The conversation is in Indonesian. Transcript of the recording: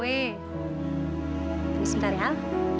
sebentar ya al